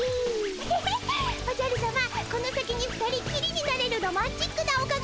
フフフッおじゃるさまこの先に二人っきりになれるロマンチックなおかがありまする。